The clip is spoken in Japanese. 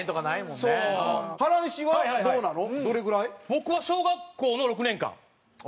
僕は小学校の６年間。